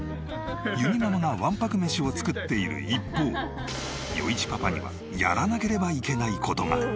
ゆにママが１泊メシを作っている一方余一パパにはやらなければいけない事が。